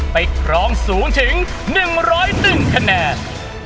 ครองสูงถึง๑๐๑คะแนน